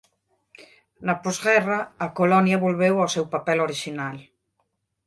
Na posguerra a colonia volveu ao seu papel orixinal.